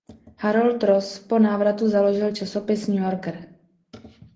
Harold Ross po návratu založil časopis New Yorker.